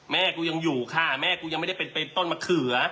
แม่กูยังอยู่ค่ะแม่กูยังไม่ได้เป็นต้นมะเขือ